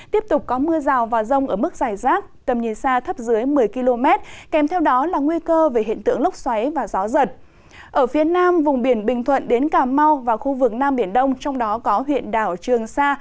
từ ngày năm vùng biển bình thuận đến cà mau và khu vực nam biển đông trong đó có huyện đảo trường sa